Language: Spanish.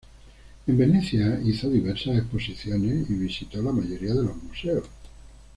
En Venecia hizo diversas exposiciones y visitó la mayoría de los museos.